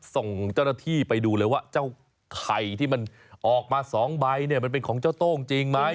ส่งเจ้าหน้าที่ไปดูเลยว่าเจ้าไข่ที่มันออกมา๒ใบเนี่ยมันเป็นของเจ้าโต้งจริงไหม